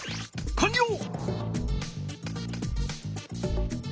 かんりょう！